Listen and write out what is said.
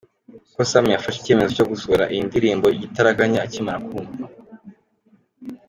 ko Sam yafashe icyemezo cyo gusohora iyi ndirimbo igitaraganya acyimara kumva.